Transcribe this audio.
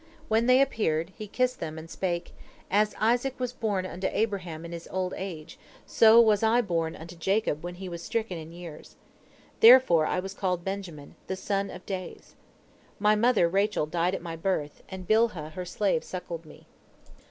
When they appeared, he kissed them, and spake: "As Isaac was born unto Abraham in his old age, so was I born unto Jacob when he was stricken in years. Therefore I was called Benjamin, 'the son of days.' My mother Rachel died at my birth, and Bilhah her slave suckled me.